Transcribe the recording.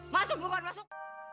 masuk bukan masuk